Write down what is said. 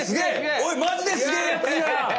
おいマジですげえやつじゃん！